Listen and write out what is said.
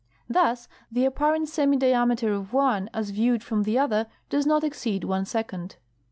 Thus the apparent semidiameter of one as viewed from the other does not exceed one second.